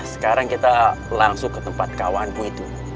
sekarang kita langsung ke tempat kawanku itu